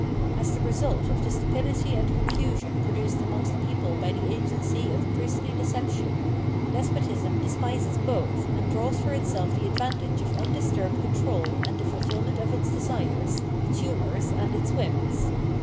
As the result of the stupidity and confusion produced amongst the people by the agency of priestly deception, despotism despises both and draws for itself the advantage of undisturbed control and the fulfilment of its desires, its hurnours, and its whims.